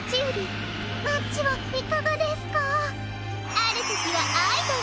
あるときはアイドル。